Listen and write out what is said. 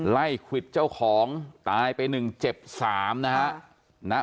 ไล่ขวิดเจ้าของตายไป๑เจ็บ๓นะครับ